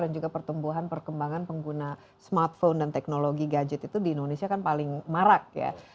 dan juga pertumbuhan perkembangan pengguna smartphone dan teknologi gadget itu di indonesia kan paling marak ya